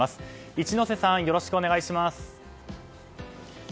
一之瀬さんよろしくお願いします。